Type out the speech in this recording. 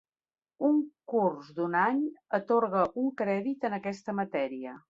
Un curs d'un any atorga un crèdit en aquesta matèria.